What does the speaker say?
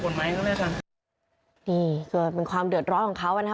นี่ก็เป็นความเดือดร้อนของเขานะครับ